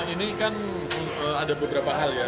ini kan ada beberapa hal ya